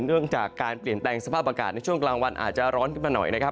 เรื่องจากการเปลี่ยนแปลงสภาพอากาศในช่วงกลางวันอาจจะร้อนขึ้นมาหน่อยนะครับ